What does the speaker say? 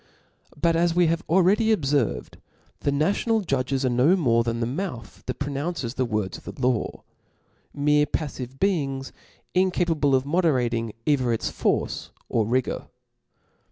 But as we have already ob fcrved, the national judges are no niorc than the mouth that pronounces the words of the law, mere paflive beings, incapable of moderating either its force pr rigor.